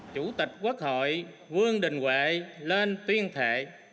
chủ tịch quốc hội vương đình huệ lên tuyên thệ